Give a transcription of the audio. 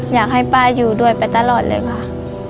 อยากให้ป้าอยู่ด้วยไปตลอดเลยค่ะ